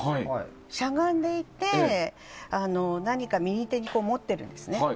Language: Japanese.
しゃがんでいて何か右手に持っているんですね。